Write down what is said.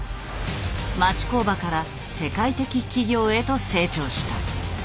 町工場から世界的企業へと成長した。